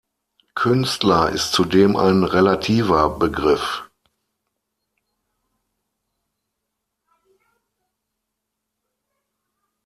Künstler ist zudem ein relativer Begriff.